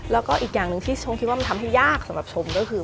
แล้วก็อีกอย่างหนึ่งที่ชมคิดว่ามันทำให้ยากสำหรับชมก็คือ